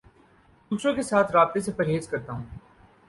دوسروں کے ساتھ رابطے سے پرہیز کرتا ہوں